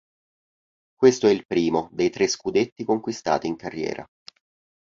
Questo è il primo dei tre scudetti conquistati in carriera.